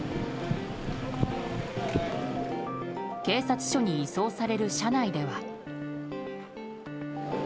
警察署に移送される車内では。